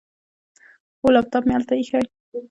هو، لیپټاپ مې هلته ایښی.